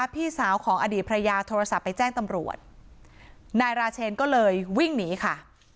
พี่สาวของอดีตภรรยาโทรศัพท์ไปแจ้งตำรวจนายราเชนก็เลยวิ่งหนีค่ะ